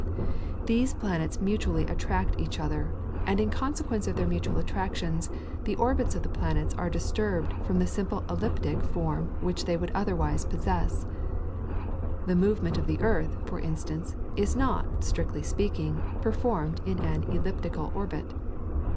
These planets mutually attract each other, and in consequence of their mutual attractions the orbits of the planets are disturbed from the simple elliptic form which they would otherwise possess. The movement of the earth, for instance, is not, strictly speaking, performed in an elliptical orbit.